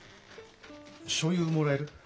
しょうゆもらえる？